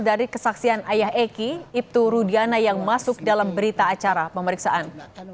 dari kesaksian ayah eki ibtu rudiana yang masuk dalam berita acara pemeriksaan